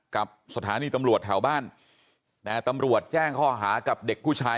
กับสถานีตำรวจแถวบ้านแต่ตำรวจแจ้งข้อหากับเด็กผู้ชาย